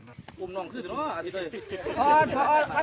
ไปโรงพยาบาลต้องจ่ายผ้า